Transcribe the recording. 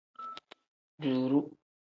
Duuru.